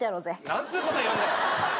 何つうこと言うんだよ！